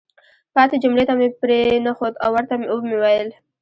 پاتې جملې ته مې پرېنښود او ورته ومې ویل: